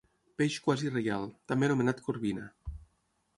Peix quasi reial, també anomenat corbina.